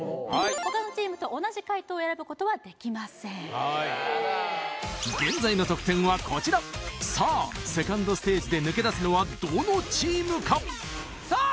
他のチームと同じ解答を選ぶことはできませんはこちらさあセカンドステージで抜け出すのはどのチームかさあ